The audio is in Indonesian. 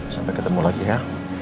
sampai ketemu lagi ya